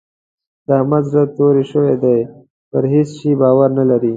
د احمد زړه توری شوی دی؛ پر هيڅ شي باور نه لري.